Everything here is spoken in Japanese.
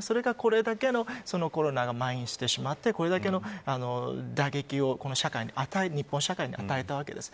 それが、これだけのコロナが、まん延してしまってこれだけの打撃を日本社会に与えたわけです。